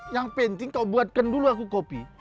yang penting kau buatkan dulu aku kopi